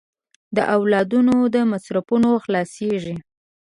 د اولادونو د مصرفونو خلاصېږي.